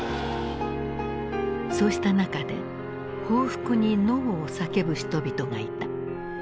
そうした中で報復に「ノー」を叫ぶ人々がいた。